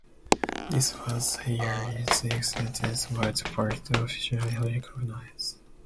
This was the year its existence was first officially recognized.